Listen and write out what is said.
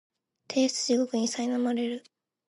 提出地獄にさいなまれる